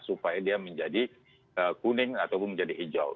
supaya dia menjadi kuning ataupun menjadi hijau